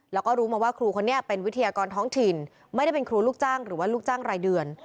แล้วก็รู้มาว่าครูคนนี้เป็นวิทยากรท้องถิ่นไม่ได้เป็นครูลูกจ้างหรือว่าลูกจ้างรายเดือน